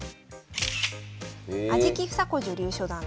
安食総子女流初段です。